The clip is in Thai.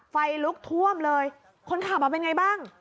ไฟลุกท่วมเลยคนขับอ่ะเป็นไงบ้าง